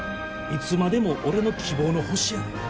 いつまでも俺の希望の星やで。